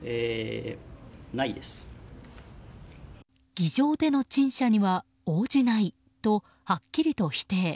議場での陳謝には応じないとはっきりと否定。